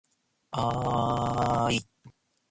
ああああああああああああああああい